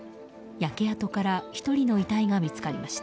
焼け跡から１人の遺体が見つかりました。